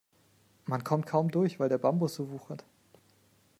Man kommt kaum durch, weil der Bambus so wuchert.